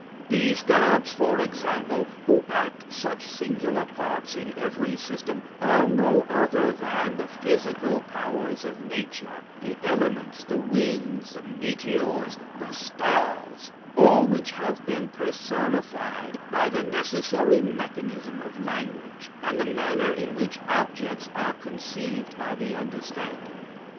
These Gods, for example, who act such singular parts in every system, are no other than the physical powers of nature, the elements, the winds, the meteors, the stars, all which have been personified by the necessary mechanism of language, and the manner in which objects are conceived by the understanding.